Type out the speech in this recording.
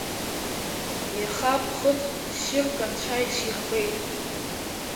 Иаха ԥхыӡ ссирк Анцәа исирбеит!